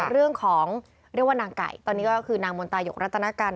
เรื่องของเรียกว่านางไก่ตอนนี้ก็คือนางมนตายกรัตนากัน